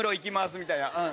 みたいな。